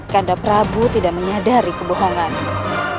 kanda prabu tidak menyadari kebohongan ku